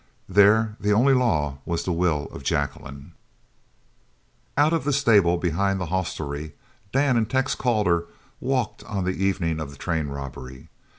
There the only law was the will of Jacqueline. Out of the stable behind this hostelry Dan and Tex Calder walked on the evening of the train robbery.